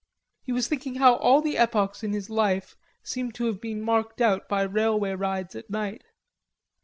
He was thinking how all the epochs in his life seemed to have been marked out by railway rides at night.